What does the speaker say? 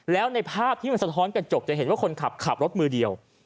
แล้วในภาพที่มันสะท้อนกระจกจะเห็นว่าคนขับขับรถมือเดียว